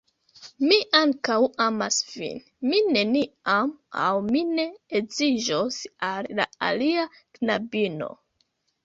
Mi ankaŭ amas vin. Mi neniam, aŭ mi ne edziĝos al alia knabino.